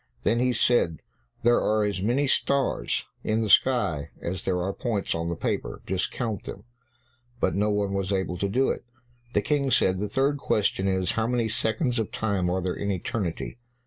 Then he said, "There are as many stars in the sky as there are points on the paper; just count them." But no one was able to do it. The King said, "The third question is, how many seconds of time are there in eternity."